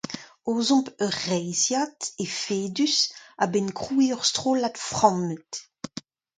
Aozomp ur reizhiad efedus a-benn krouiñ ur strollad frammet.